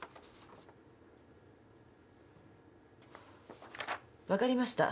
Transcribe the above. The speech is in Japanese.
分かりました。